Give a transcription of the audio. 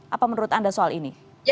apa menurut anda soal ini